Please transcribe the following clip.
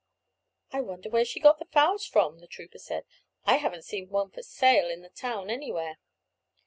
"I wonder where she got the fowls from," the trooper said. "I haven't seen one for sale in the town anywhere."